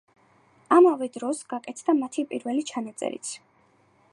ამავე დროს გაკეთდა მათი პირველი ჩანაწერიც.